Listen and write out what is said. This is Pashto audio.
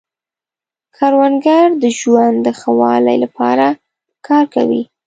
کروندګر د ژوند د ښه والي لپاره کار کوي